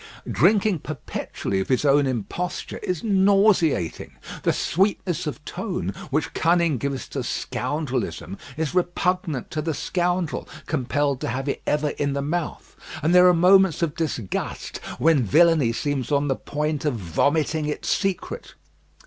Drinking perpetually of his own imposture is nauseating. The sweetness of tone which cunning gives to scoundrelism is repugnant to the scoundrel compelled to have it ever in the mouth; and there are moments of disgust when villainy seems on the point of vomiting its secret.